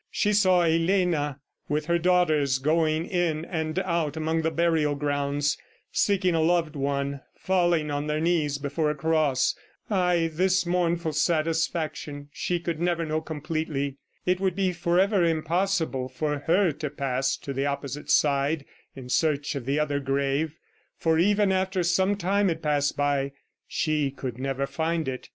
She saw Elena with her daughters going in and out among the burial grounds, seeking a loved one, falling on their knees before a cross. Ay, this mournful satisfaction, she could never know completely! It would be forever impossible for her to pass to the opposite side in search of the other grave, for, even after some time had passed by, she could never find it.